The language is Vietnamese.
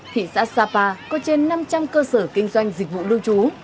thị xã sapa có trên năm trăm linh cơ sở kinh doanh dịch vụ lưu trú